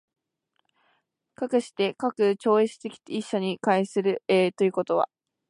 而して、かく超越的一者に対するということは、